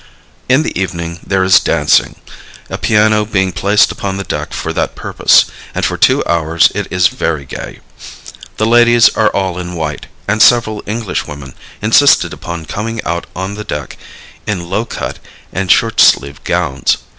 In the evening there is dancing, a piano being placed upon the deck for that purpose, and for two hours it is very gay. The ladies are all in white, and several English women insisted upon coming out on the deck in low cut and short sleeved gowns.